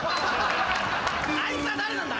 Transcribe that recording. あいつは誰なんだ？